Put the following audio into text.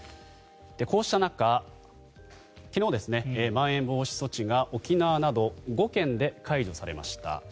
こうした中、昨日まん延防止措置が沖縄など５県で解除されました。